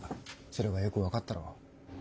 それがよく分かったろう。